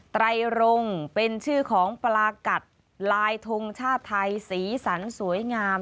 ไตรรงเป็นชื่อของปลากัดลายทงชาติไทยสีสันสวยงาม